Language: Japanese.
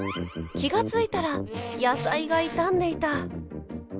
気が付いたら野菜が傷んでいた。